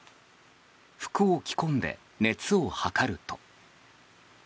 服を着こんで熱を測ると。